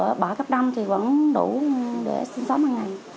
bà bỡ cấp năm thì vẫn đủ để sinh sống hằng ngày